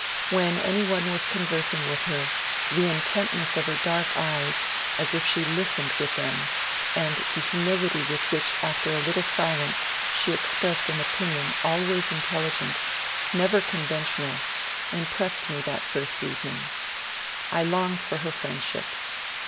When any one was conversing with her the intent ness of her dark eyes, as if she listened with them, and the humility with which after a little silence she expressed an opinion always intelligent, never conventional, impressed me LONGFELLOW AT HARVARD 157 that first evening. I longed for her friendship.